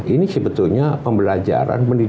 ini sebetulnya pembelajaran pendidikan